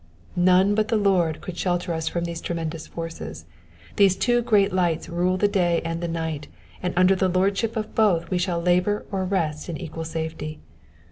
''^ None but the Lord could shelter us from these tremendous forces. These two great lights rule the day and the night, and under the lordship of both we shall labour or rest in equal safety.